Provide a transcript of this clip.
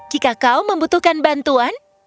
jika kau membutuhkan bantuan